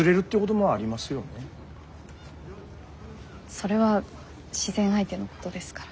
それは自然相手のことですから。